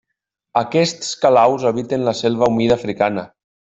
Aquests calaus habiten la selva humida africana.